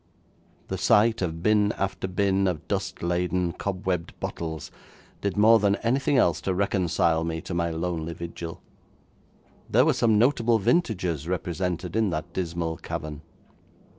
The sight of bin after bin of dust laden, cobwebbed bottles, did more than anything else to reconcile me to my lonely vigil. There were some notable vintages represented in that dismal cavern.